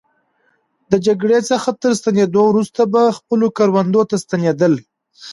د جګړې څخه تر ستنېدو وروسته به خپلو کروندو ته ستنېدل.